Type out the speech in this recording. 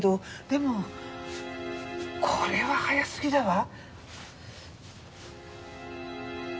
でもこれは早すぎだわ。